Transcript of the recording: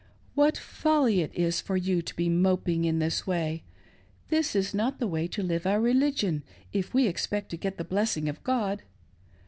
'' What folly it is for you to THE CASE REVERSED, 475 be moping in this way : this is not the way to live our reli gion, if we expect to get the blessing of God.